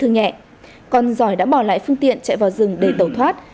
giỏi đã bỏ lại phương tiện chạy vào rừng để tẩu thoát